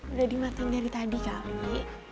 udah dimatang dari tadi kali